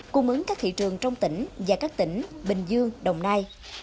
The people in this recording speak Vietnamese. cung ứng các thị trường trong tỉnh và các tỉnh bình dương đồng nai